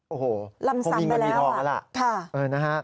โอ้โหคงมีเงินมีทองแล้วล่ะ